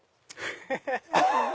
ハハハハ！